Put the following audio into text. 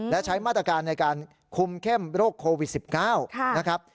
และใช้มาตรการในการคุมเข้มโรคโควิด๑๙นะครับ